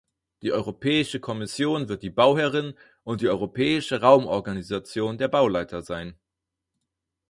Die Europäische Kommission wird die Bauherrin und die Europäische Raumorganisation der Bauleiter sein.